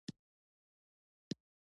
د ناروغیو مخنیوی د ښه حفظ الصحې سره پیل کیږي.